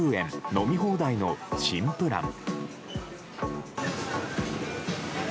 飲み放題の新プラン。